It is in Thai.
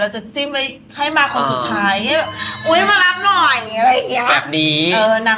เราจะจิ้มไว้ให้มาคนสุดท้าย